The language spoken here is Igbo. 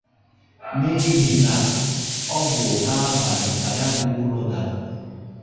N'ihi na ọ bụ n'abalị ka ya bụ ụlọ dara